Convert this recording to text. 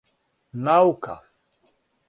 наука